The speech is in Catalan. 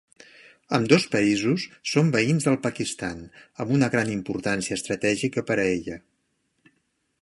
Ambdós països són veïns del Pakistan, amb una gran importància estratègica per a ella.